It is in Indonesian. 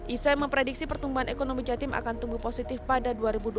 isai memprediksi pertumbuhan ekonomi jatim akan tumbuh positif pada dua ribu dua puluh satu